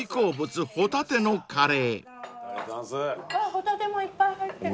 帆立もいっぱい入ってる。